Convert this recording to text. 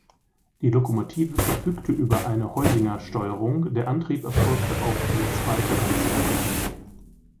Die Lokomotive verfügte über eine Heusinger-Steuerung, der Antrieb erfolgte auf die zweite Achse.